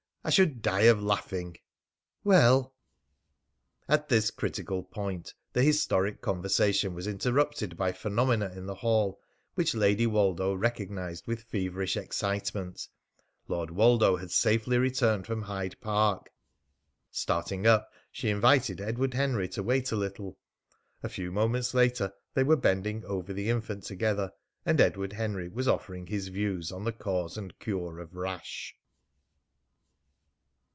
I should die of laughing." "Well " At this critical point the historic conversation was interrupted by phenomena in the hall which Lady Woldo recognised with feverish excitement. Lord Woldo had safely returned from Hyde Park. Starting up, she invited Edward Henry to wait a little. A few moments later they were bending over the infant together, and Edward Henry was offering his views on the cause and cure of rash.